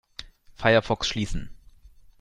Firefox schließen.